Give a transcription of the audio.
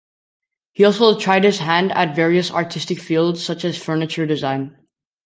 He also tried his hand at various artistic fields such as furniture design.